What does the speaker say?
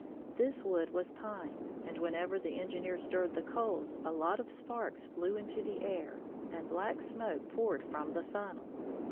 This wood was pine, and whenever the engineer stirred the coals, a lot of sparks flew into the air, and black smoke poured from the funnel.